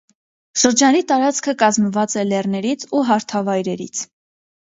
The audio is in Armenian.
Շրջանի տարածքը կազմված է լեռներից ու հարթավայրերից։